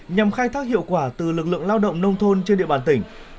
nhằm khai thác hiệu quả từ lực lượng lao động nông thôn trên địa bàn tỉnh